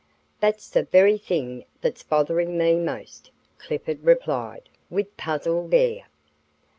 "That's the very thing that's bothering me most," Clifford replied, with puzzled air.